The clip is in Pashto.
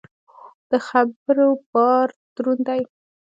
د خبرو بار دروند دی.